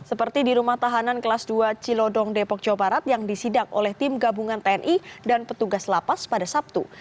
seperti di rumah tahanan kelas dua cilodong depok jawa barat yang disidak oleh tim gabungan tni dan petugas lapas pada sabtu